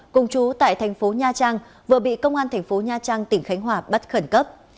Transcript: cùng chú tại thành phố nha trang vừa bị công an thành phố nha trang tỉnh khánh hòa bắt khẩn cấp